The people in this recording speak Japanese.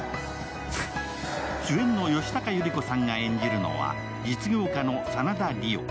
主演の吉高由里子さんが演じるのは実業家の真田梨央。